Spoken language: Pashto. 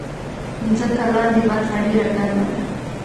مځکه لاندې برخه ډېره ګرمه ده.